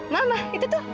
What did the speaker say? mama itu tuh